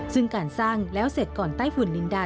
ซึ่งการสร้างแล้วเสร็จก่อนใต้ฝุ่นลินดา